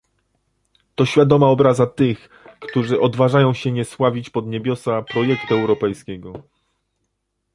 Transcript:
To świadoma obraza tych, którzy odważają się nie sławić pod niebiosa projektu europejskiego